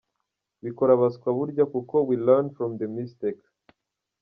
Bikora abaswa burya kuko we learn from the mistake!!!!!.